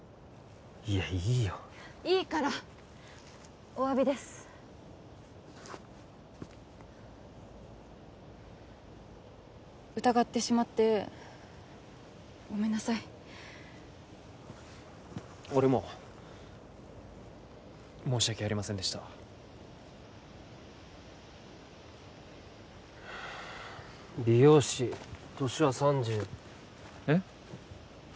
いやいいよいいからっお詫びです疑ってしまってごめんなさい俺も申し訳ありませんでした美容師年は３０えっ？